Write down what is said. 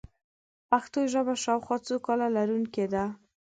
پښتو ژبه شاوخوا څو کاله لرونکې ده.